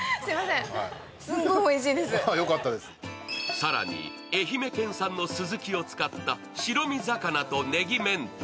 更に、愛媛県産のすずきを使った、白身魚とねぎ明太。